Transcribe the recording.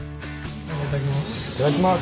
いただきます。